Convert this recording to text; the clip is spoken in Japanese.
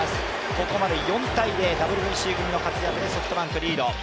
ここまで４−０、ＷＢＣ組の活躍でソフトバンク、リード。